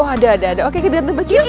ada ada oke ke belakang ke halaman